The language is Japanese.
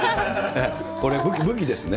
これ、武器ですね。